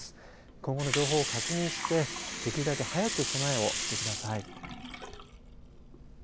今後の情報を確認してできるだけ早く備えをしてください。